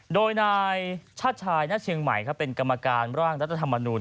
โดยนายชาติชายณเชียงใหม่เป็นกรรมการร่างรัฐธรรมนูล